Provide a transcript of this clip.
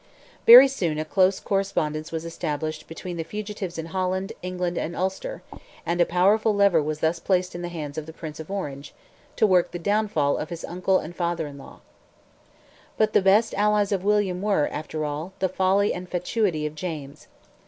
Very soon a close correspondence was established between the fugitives in Holland, England, and Ulster, and a powerful lever was thus placed in the hands of the Prince of Orange, to work the downfall of his uncle and father in law. But the best allies of William were, after all, the folly and fatuity of James.